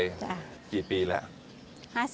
กี่ปีแล้ว